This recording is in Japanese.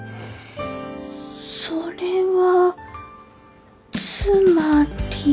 それはつまり。